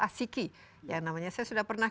asiki ya namanya saya sudah pernah